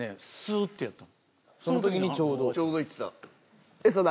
その時にちょうど。